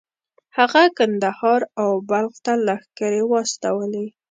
هغه کندهار او بلخ ته لښکرې واستولې.